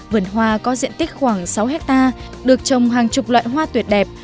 vườn hoa có diện tích khoảng sáu hectare được trồng hàng chục loại hoa tuyệt đẹp